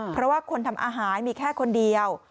เพราะว่าคนทำอาหารมีแค่คนเดียว